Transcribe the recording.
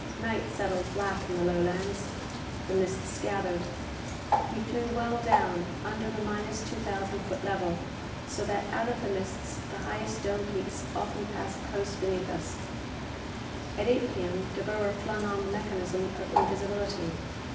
Night settled black in the Lowlands. The mists gathered. We flew well down under the minus two thousand foot level so that out of the mists the highest dome peaks often passed close beneath us. At 8 P.M. De Boer flung on the mechanism of invisibility.